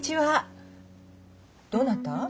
どなた？